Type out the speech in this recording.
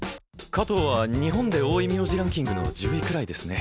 加藤は日本で多い名字ランキングの１０位くらいですね